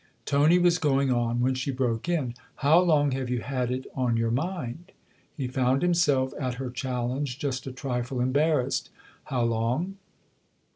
Tony was going on when she broke in :" How long have you had it on your mind ?" He found himself, at her challenge, just a trifle embarrassed. " How long